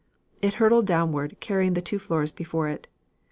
"It hurtled downward, carrying the two floors before it.